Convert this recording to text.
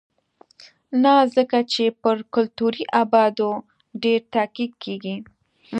نه ځکه چې پر کلتوري ابعادو ډېر تاکید کېږي.